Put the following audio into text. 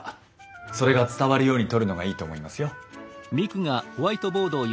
それが伝わるように撮るのがいいと思いますよ。